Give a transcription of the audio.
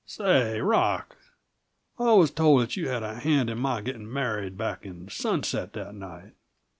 "Say, Rock, I was told that you had a hand in my getting married, back in Sunset that night."